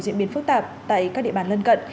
diễn biến phức tạp tại các địa bàn lân cận